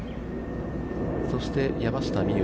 そして山下美夢